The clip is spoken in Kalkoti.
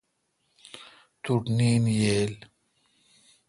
توٹھ نیند ییل۔